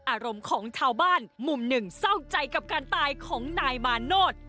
อารมณ์ของชาวบ้านมุมหนึ่งเศร้าใจกับการตายของนายมาโนธ